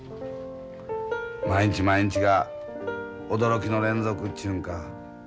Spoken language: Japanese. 毎日毎日が驚きの連続ちゅうんか。